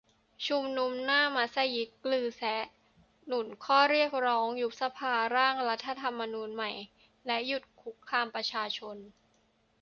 ชุมนุมหน้ามัสยิดกรือเซะ หนุนข้อเรียกร้อง ยุบสภา ร่างรัฐธรรมนูญใหม่ และ หยุดคุกคามประชาชน